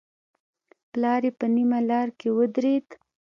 پلار يې په نيمه لاره کې ودرېد.